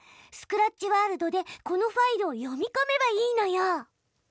スクラッチワールドでこのファイルを読みこめばいいのよ！